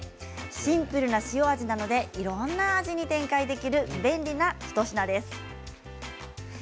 シンプルな塩味なのでいろんな味に展開できる便利な一品です。